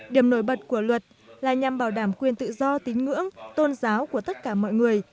điểm nổi bật của luật là nhằm bảo đảm quyền tự do tín ngưỡng tôn giáo của tất cả mọi người